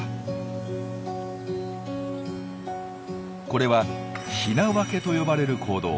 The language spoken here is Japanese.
これは「ヒナ分け」と呼ばれる行動。